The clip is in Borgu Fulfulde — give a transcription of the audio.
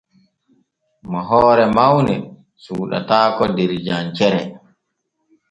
Mo hoore mawne suuɗataako der jancere.